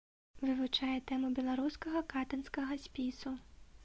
Вывучае тэму беларускага катынскага спісу.